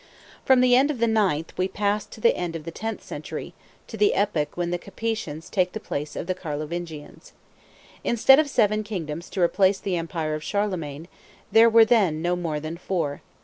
From the end of the ninth pass we to the end of the tenth century, to the epoch when the Capetians take the place of the Carlovingians. Instead of seven kingdoms to replace the empire of Charlemagne, there were then no more than four.